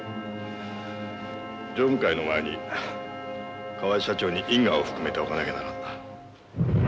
常務会の前に河合社長に因果を含めておかなきゃならんな。